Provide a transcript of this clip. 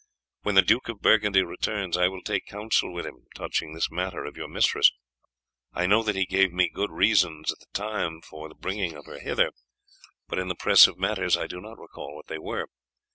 When the Duke of Burgundy returns I will take council with him touching this matter of your mistress. I know that he gave me good reasons at the time for the bringing of her hither, but in the press of matters I do not recall what they were.